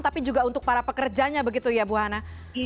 tapi juga untuk para pekerjanya begitu ya bu hana